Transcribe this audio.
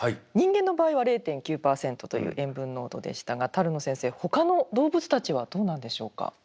人間の場合は０．９％という塩分濃度でしたが野先生他の動物たちはどうなんでしょうか？